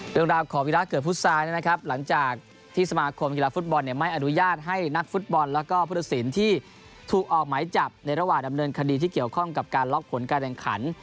เรื่องราวของวีระเกิดพุษานะครับหลังจากที่สมาคมกีฬาฟุตบอลไม่อนุญาตให้นักฟุตบอลแล้วก็พุทธศิลป์ที่ถูกออกหมายจับในระหว่างดำเนินคดีที่เกี่ยวข้องกับการล็อกผลการแข่งขัน